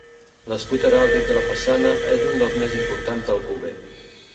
L'escut heràldic de la façana és un dels més importants d'Alcover.